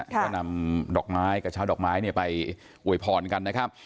ก็นำดอกไม้กระเช้าดอกไม้ไปอวยพรกันนะครับ